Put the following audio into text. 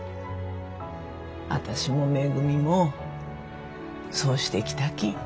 私もめぐみもそうしてきたけん。